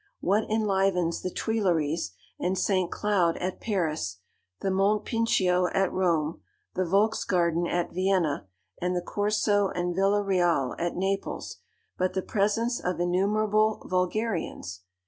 What enlivens the Tuileries and St. Cloud at Paris, the Monte Pincio at Rome, the Volksgarten at Vienna, and the Corso and Villa Reale at Naples, but the presence of innumerable "vulgarians?"